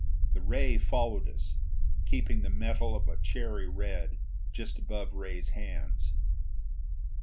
The ray followed us, keeping the metal at a cherry red just above Ray's hands.